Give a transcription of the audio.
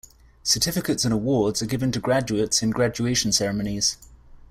Certificates and awards are given to graduates in graduation ceremonies.